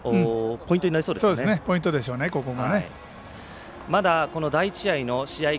ポイントですよね、ここが。